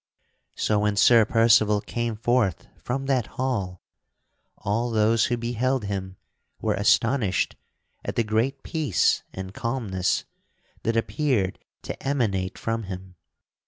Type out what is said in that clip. So when Sir Percival came forth from that hall, all those who beheld him were astonished at the great peace and calmness that appeared to emanate from him.